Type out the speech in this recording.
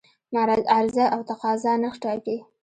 عرضه او تقاضا نرخ ټاکي.